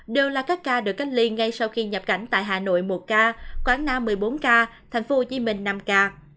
đều là các ca được cách ly ngay sau khi nhập cảnh tại hà nội một ca quảng nam một mươi bốn ca tp hcm năm ca